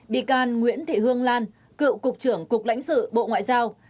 bị can nguyễn thị hương lan cựu cục trưởng cục lãnh sự bộ ngoại giao